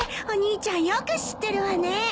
お兄ちゃんよく知ってるわね。